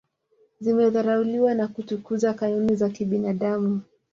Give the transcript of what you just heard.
zimedharauliwa na kutukuza kanuni za kibinadamu